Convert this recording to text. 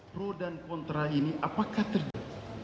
pro dan kontra ini apakah terjadi